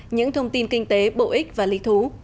những thông tin kinh tế bổ ích và lý thú